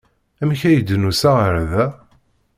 Amek ay d-nusa ɣer da?